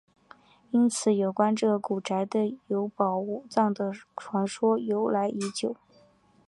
因此有关这个古宅有宝藏的传说由来已久。